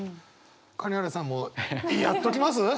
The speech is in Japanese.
金原さんもやっときます？